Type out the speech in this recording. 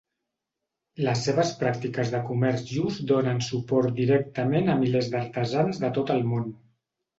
Les seves pràctiques de comerç just donen suport directament a milers d'artesans de tot el món.